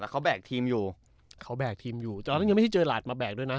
เขาแบกทีมอยู่เขาแบกทีมอยู่ตอนนั้นยังไม่ได้เจอหลาดมาแบกด้วยนะ